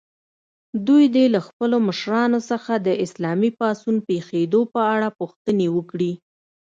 دوی دې له خپلو مشرانو څخه د اسلامي پاڅون پېښېدو په اړه پوښتنې وکړي.